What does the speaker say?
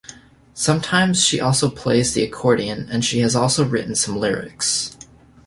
Sometimes, she also plays the accordion and she has also written some lyrics.